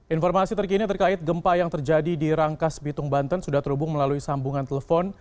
informasi terkini terkait gempa yang terjadi di rangkas bitung banten sudah terhubung melalui sambungan telepon